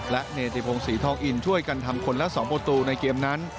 และเนติพงศรีทองอินช่วยกันทำคนละ๒ประตูในเกมนั้น